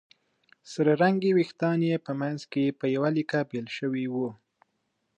سره رنګي وېښتان یې په منځ کې په يوه ليکه بېل شوي وو